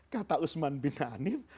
kata usman bin hanif